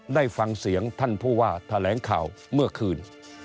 ได้ฟังเสียงท่านผู้ว่าแถลงข่าวเมื่อคืน